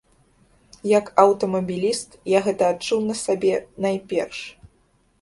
Як аўтамабіліст, я гэта адчуў на сабе найперш.